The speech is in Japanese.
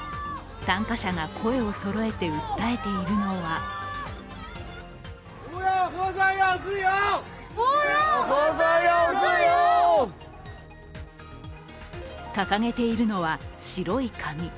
参加者が声をそろえて訴えているのは掲げているのは白い紙。